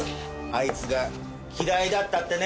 「あいつが嫌いだった」ってね。